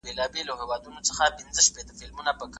ټولنه به د سياسي پريکړو اغېز احساسوي.